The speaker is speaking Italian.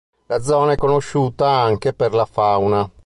La zona è conosciuta anche per la fauna.